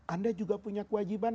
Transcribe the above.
anda juga punya kewajiban